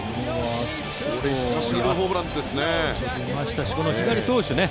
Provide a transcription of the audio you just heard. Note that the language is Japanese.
久しぶりのホームランですね。